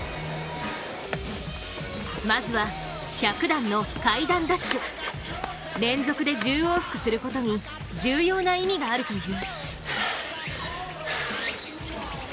まずは１００段の階段ダッシュ連続で１０往復すること重要な意味があるという。